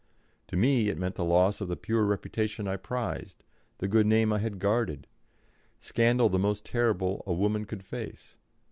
To me it meant the loss of the pure reputation I prized, the good name I had guarded scandal the most terrible a woman could face.